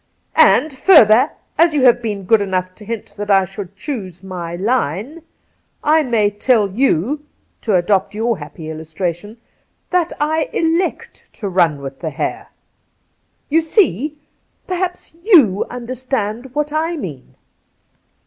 And further, as you have been good enough to hint that I should choose my line, I may tell you — to adopt your happy illustration — that I elect to " run with the hare." You see ! Perhaps you understand what I mean